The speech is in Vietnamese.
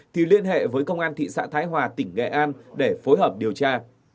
thì liên hệ với công an thị xã thái hòa tỉnh nghệ an để phối hợp điều tra